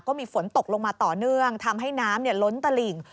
ก็มีฝนตกลงมาต่อเนื่องทำให้น้ำล้นตลิ่ง